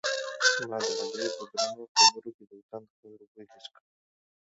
ما د هغې په درنو خبرو کې د وطن د خاورې بوی حس کړ.